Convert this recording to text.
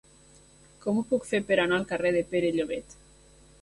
Com ho puc fer per anar al carrer de Pere Llobet?